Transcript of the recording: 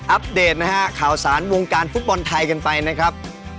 เดตนะฮะข่าวสารวงการฟุตบอลไทยกันไปนะครับ